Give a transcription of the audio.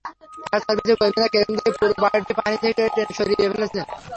Fire সার্ভিসের কর্মীরা crane দিয়ে পুরো বাড়িটি পানি থেকে টেনে সরিয়ে ফেলেছেন।